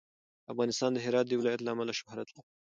افغانستان د هرات د ولایت له امله شهرت لري.